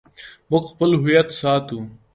موږ خپل هویت ساتو